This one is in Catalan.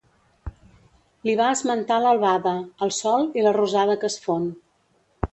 Li va esmentar l'albada, el sol i la rosada que es fon.